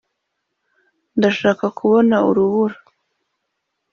ndashaka kubona urubura. '